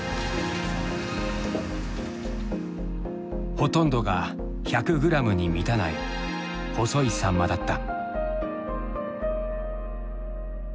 ほとんどが１００グラムに満たない細いサンマだった。